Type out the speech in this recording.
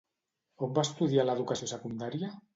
On va estudiar l'educació secundària?